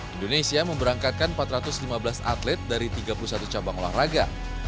indonesia memberangkatkan empat ratus lima belas atlet dari tiga puluh satu cabang olahraga